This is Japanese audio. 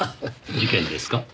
事件ですか？